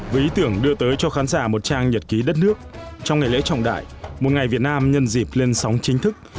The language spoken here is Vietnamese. với ý tưởng đưa tới cho khán giả một trang nhật ký đất nước trong ngày lễ trọng đại một ngày việt nam nhân dịp lên sóng chính thức